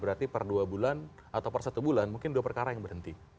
berarti per dua bulan atau per satu bulan mungkin dua perkara yang berhenti